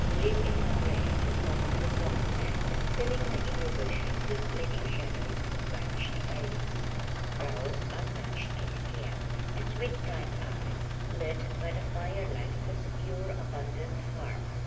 Deep in my brain the sob of the song sank, filling my inner vision with flitting shadows of vanished faces, brows untouched of care, and sweet kind eyes lit by the firelight of a secure abundant hearth.